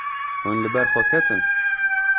Hûn li ber xwe ketin.